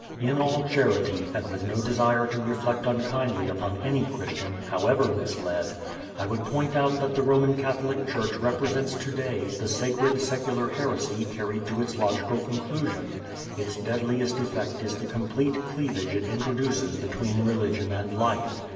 In all charity, and with no desire to reflect unkindly upon any Christian, however misled, I would point out that the Roman Catholic church represents today the sacred secular heresy carried to its logical conclusion. Its deadliest effect is the complete cleavage it introduces between religion and life.